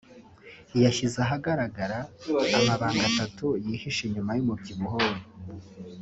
yashyize ahagaragara amabanga atatu yihishe inyuma y’umubyibuho we